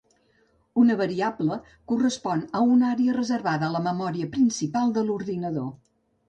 Una variable correspon a una àrea reservada a la memòria principal de l'ordinador.